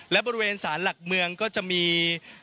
และบริเวณสารหลักเมืองก็จะมี